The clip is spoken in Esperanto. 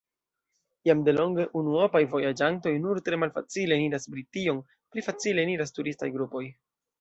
Jam delonge unuopaj vojaĝantoj nur tre malfacile eniras Brition: pli facile eniras turistaj grupoj.